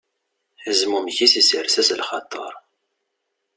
Azmummeg-is isers-as lxaṭer.